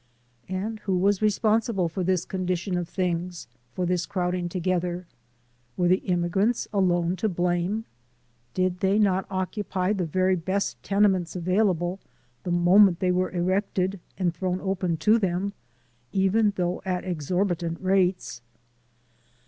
And who was responsible for this condition of things, for this crowding together? Were the im migrants alone to blame? Did they not occupy the very best tenements available, the moment they were erected and thrown open to them, even though at exorbitant rates?